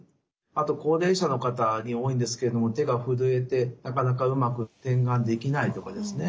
あと高齢者の方に多いんですけれども手が震えてなかなかうまく点眼できないとかですね